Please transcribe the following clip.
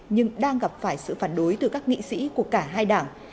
nhưng đang gặp phải sự phản đối từ các nghị sĩ của cả hai đảng